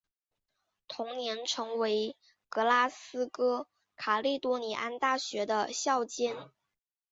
同年成为格拉斯哥卡利多尼安大学的校监。